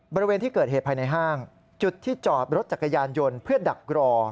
บริเวณที่เกิดเหตุภายในห้างจุดที่จอดรถจักรยานยนต์เพื่อดักรอ